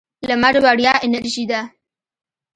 لمر وړیا انرژي ده.